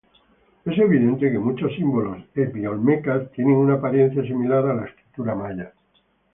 Es evidente que muchos símbolos epi-olmecas tienen una apariencia similar a la escritura maya.